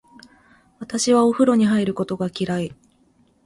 私はお風呂に入ることが嫌い。